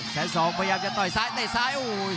แสนสองพยายามจะต่อยซ้ายเตะซ้ายโอ้โห